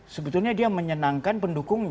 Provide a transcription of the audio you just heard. sebetulnya dia menyenangkan pendukungnya